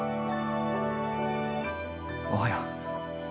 おはよう。